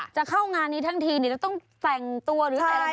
จะเข้างานนี้ทั้งทีจะต้องแต่งตัวหรือใส่อะไร